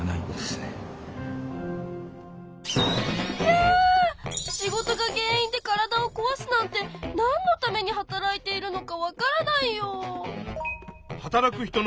ひゃ仕事が原因で体をこわすなんてなんのために働いているのかわからないよ。